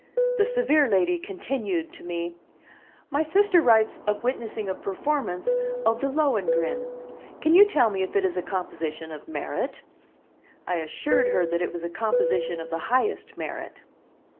The severe lady continued to me: "My sister writes of witnessing a performance of the Lohengrin. Can you tell me if it is a composition of merit?" I assured her that it was a composition of the highest merit.